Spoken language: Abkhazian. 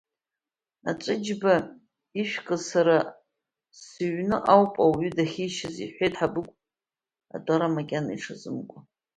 Аҵәыџьба ишәкыз сара сыҩны ауп ауаҩы дахьишьыз, — иҳәеит Хабыгә, атәара макьана иҽазымкуа.